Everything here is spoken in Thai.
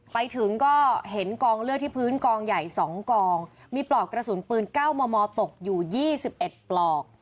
ไปถึงก็เห็นกองเลือดที่พื้นกองใหญ่๒กองมีปลอกกระสุนปืน๙มมตกอยู่๒๑ปลอก